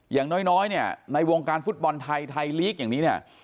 อย่างน้อยในวงการฟุตบอลไทยไทยลีกอย่างนี้